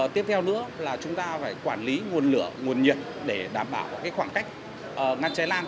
tiếp theo nữa là chúng ta phải quản lý nguồn lửa nguồn nhiệt để đảm bảo khoảng cách ngăn cháy lan